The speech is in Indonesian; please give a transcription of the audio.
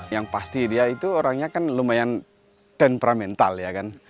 yang pasti dia itu orangnya kan lumayan temperamental ya kan